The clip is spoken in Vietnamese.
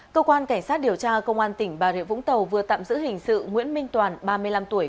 cơ quan cảnh sát điều tra công an tỉnh bà rịa vũng tàu vừa tạm giữ hình sự nguyễn minh toàn ba mươi năm tuổi